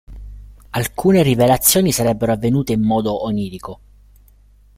Alcune rivelazioni sarebbero avvenute in modo onirico.